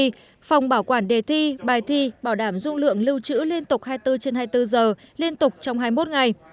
phòng bảo quản đề thi bài thi bảo đảm dung lượng lưu trữ liên tục hai mươi bốn trên hai mươi bốn giờ liên tục trong hai mươi một ngày